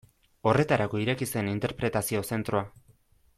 Horretarako ireki zen interpretazio zentroa.